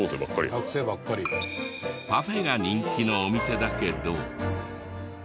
パフェが人気のお店だけど。